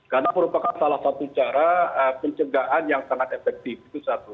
karena merupakan salah satu cara pencegahan yang sangat efektif itu satu